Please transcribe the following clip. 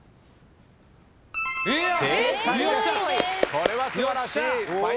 これは素晴らしい。